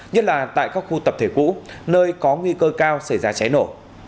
nhất là tại các khu tập thể cũ nơi có nguy cơ cao xảy ra cháy nổ